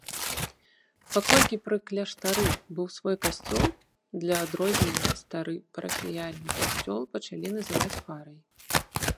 Паколькі пры кляштары быў свой касцёл, для адрознення стары парафіяльны касцёл пачалі называць фарай.